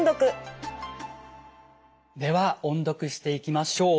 では音読していきましょう。